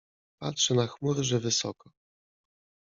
Patrzy na chmury, że wysoko.